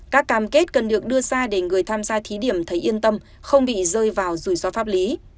các cam kết cần được đưa ra để người tham gia thí điểm thấy yên tâm không bị rơi vào rủi ro pháp lý